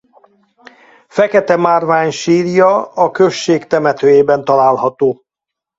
Fekete márvány sírja a község temetőjében található.